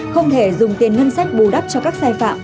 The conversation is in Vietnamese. không thể dùng tiền ngân sách bù đắp cho các sai phạm